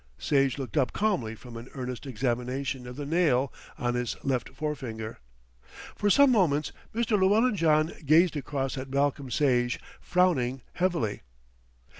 Sage looked up calmly from an earnest examination of the nail of his left forefinger. For some moments Mr. Llewellyn John gazed across at Malcolm Sage, frowning heavily.